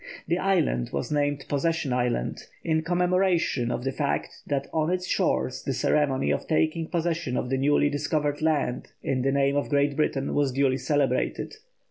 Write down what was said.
The island was named Possession Island, in commemoration of the fact that on its shores the ceremony of taking possession of the newly discovered lands in the name of Great Britain was duly celebrated.